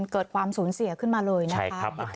เกิดความสูญเสียขึ้นมาเลยนะคะ